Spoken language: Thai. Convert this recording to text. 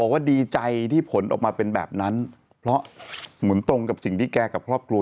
ว่าดีใจที่ผลออกมาเป็นแบบนั้นเพราะเหมือนตรงกับสิ่งที่แกกับครอบครัว